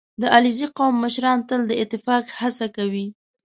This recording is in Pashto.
• د علیزي قوم مشران تل د اتفاق هڅه کوي.